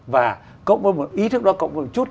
và ý thức đó cộng với một chút